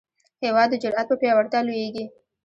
هېواد د جرئت په پیاوړتیا لویېږي.